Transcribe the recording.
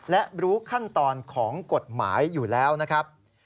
และรู้ขั้นตอนของกฎหมายอยู่แล้วนะครับ